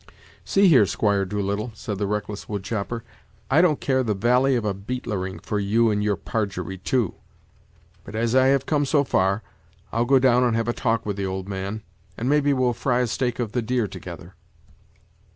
"See here, Squire Doolittle," said the reckless woodchopper; "I don't care the valie of a beetlering for you and your parjury too. But as I have come so far, I'll go down and have a talk with the old man, and maybe we'll fry a steak of the deer together."